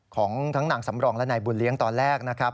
ของทั้งนางสำรองและนายบุญเลี้ยงตอนแรกนะครับ